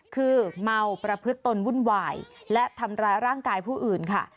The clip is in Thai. คือเมาประพฤติตนวุ่นวายและทำร้ายร่างกายผู้อื่นค่ะ